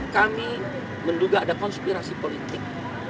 kami menduga ada konspirasi politik